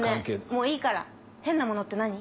もういいから変なものって何？